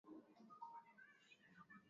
upana na serene hadi mita thelathini na